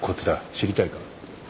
知りたいか？